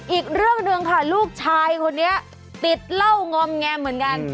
อีกเรื่องหนึ่งค่ะลูกชายคนนี้ติดเหล้างอมแงมเหมือนกัน